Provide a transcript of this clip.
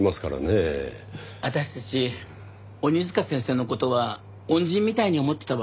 私たち鬼塚先生の事は恩人みたいに思ってたわ。